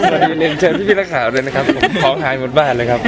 และมีเชิญพี่พี่ข้าวด้วยนะครับผมพ้องหางมดบ้านเลยครับ